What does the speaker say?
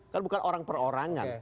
kan bukan orang per orangan